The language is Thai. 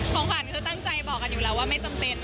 ของขวัญคือตั้งใจบอกกันอยู่แล้วว่าไม่จำเป็น